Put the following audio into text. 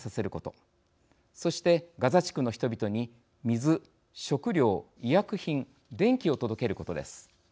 そしてガザ地区の人々に水食料医薬品電気を届けることです。